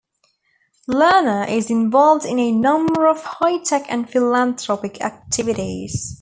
Lerner is involved in a number of high-tech and philanthropic activities.